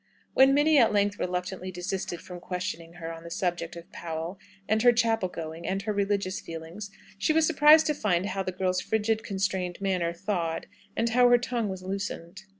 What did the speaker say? When Minnie at length reluctantly desisted from questioning her on the subject of Powell, and her chapel going, and her religious feelings, she was surprised to find how the girl's frigid, constrained manner thawed, and how her tongue was loosened.